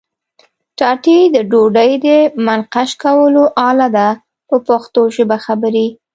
ټاټې د ډوډۍ د منقش کولو آله ده په پښتو ژبه خبرې.